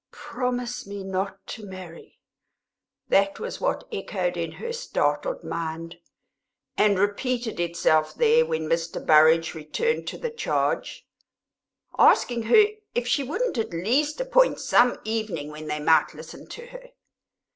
"Promise me not to marry!" that was what echoed in her startled mind, and repeated itself there when Mr. Burrage returned to the charge, asking her if she wouldn't at least appoint some evening when they might listen to her.